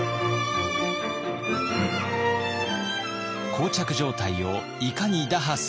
膠着状態をいかに打破するか。